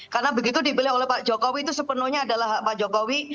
karena begitu dibeli oleh pak jokowi itu sepenuhnya adalah pak jokowi